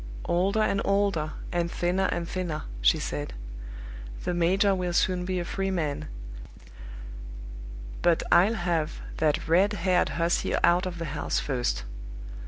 "Older and older, and thinner and thinner!" she said. "The major will soon be a free man; but I'll have that red haired hussy out of the house first!"